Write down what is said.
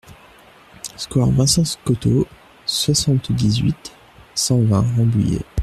Square Vincent Scotto, soixante-dix-huit, cent vingt Rambouillet